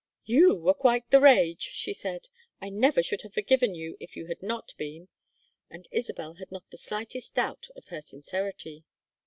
"You were quite the rage," she said. "I never should have forgiven you if you had not been." And Isabel had not the slightest doubt of her sincerity.